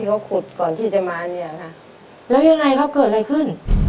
เห็นหน้าของพี่มีบาดแผลอยู่ตรงจมูกก็มีตรงแก้ม